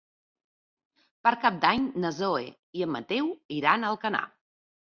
Per Cap d'Any na Zoè i en Mateu iran a Alcanar.